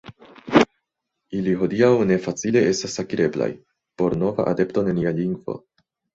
Ili hodiaŭ ne facile estas akireblaj por nova adepto de nia lingvo.